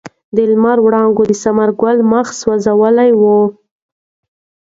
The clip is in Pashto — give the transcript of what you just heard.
د لمر وړانګو د ثمر ګل مخ سوځولی و.